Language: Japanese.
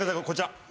こちら。